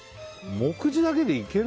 目次だけでいける？